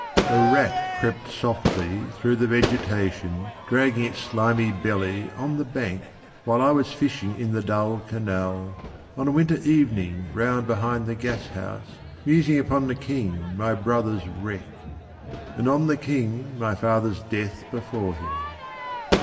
A rat crept softly through the vegetation Dragging its slimy belly on the bank While I was fishing in the dull canal On a winter evening round behind the gashouse 190 Musing upon the king my brother's wreck And on the king my father's death before him.